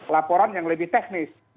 laporan yang lebih teknis